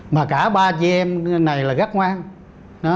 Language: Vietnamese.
mà cả ba chị em này là rất ngoan